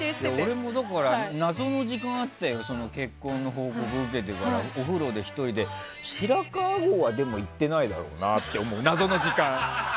俺も謎の時間があって結婚の報告を受けてからお風呂で１人で白川郷は行ってないだろうなと謎の時間。